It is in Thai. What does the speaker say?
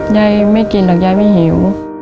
ยายไม่กินหรอกยายไม่หิว